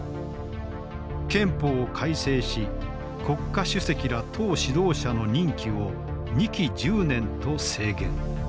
憲法を改正し国家主席ら党指導者の任期を２期１０年と制限。